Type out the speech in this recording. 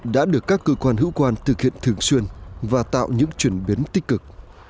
đã được các cơ quan hữu quan thực hiện thường xuyên và tạo những chuyển biến tích cực